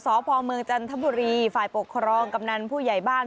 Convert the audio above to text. สพเมืองจันทบุรีฝ่ายปกครองกำนันผู้ใหญ่บ้าน